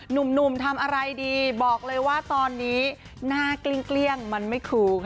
หนุ่มทำอะไรดีบอกเลยว่าตอนนี้หน้าเกลี้ยงมันไม่คูค่ะ